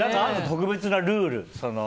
特別なルール。